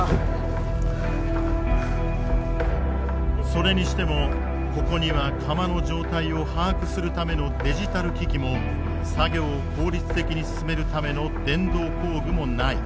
それにしてもここには釜の状態を把握するためのデジタル機器も作業を効率的に進めるための電動工具もない。